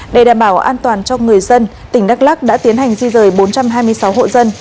để đảm bảo an toàn cho người dân tỉnh đắk lắc đã tiến hành di rời bốn trăm hai mươi sáu hộ dân